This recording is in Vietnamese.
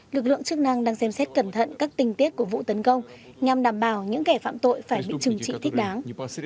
lực lượng chức năng đang xem xét cẩn thận các tình tiết của vụ tấn công nhằm đảm bảo những kẻ phạm tội phải bị trừng trị thích đáng